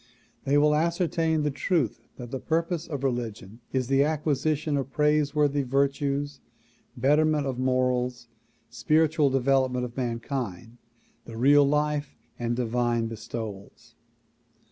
They will ascertain the truth that the purpose of religion is the acquisition of praiseworthy virtues, betterment of morals, spiritual development of mankind, the real life and divine bestowals.